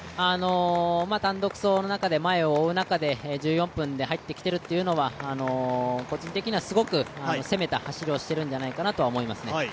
単独走の中で前を追う中で１４分で入ってきているのは個人的にはすごく攻めた走りをしているんじゃないかなとは思いますね。